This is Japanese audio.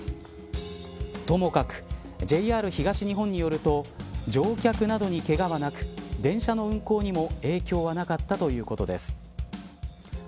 ともかくＪＲ東日本によると乗客などに、けがはなく電車の運行にも影響はなかったということです。